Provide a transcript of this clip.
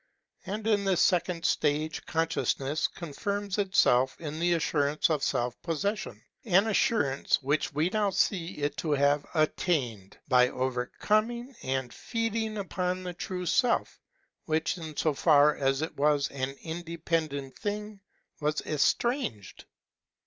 And in this second stage consciousness confirms itself in the assurance of self possession (an assurance which we now see it to have attained), by overcoming and feeding upon the true Self, which, in so far as it was an independent thing, was estranged.